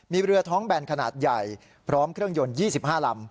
มีเรือท้องแบนขนาดใหญ่พร้อมเครื่องยนต์๒๕ลำ